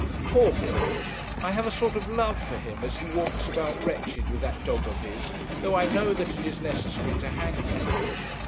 Poor Bill! I have a sort of love for him, as he walks about wretched with that dog of his, though I know that it is necessary to hang him.